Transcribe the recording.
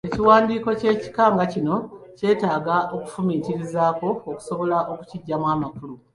Ekiwandiiko eky’ekika nga kino kyetaaga okwefumiitirizaako okusobola okukiggyamu amakulu.